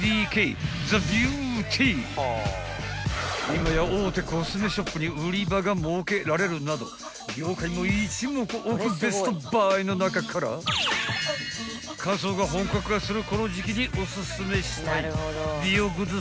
［今や大手コスメショップに売り場が設けられるなど業界も一目置くベストバイの中から乾燥が本格化するこの時季におすすめしたい美容グッズ